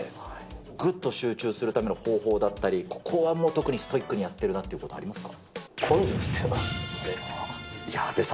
ぐっと集中するための方法だったり、ここはもう特にストイックにやってるっていうところはありますか。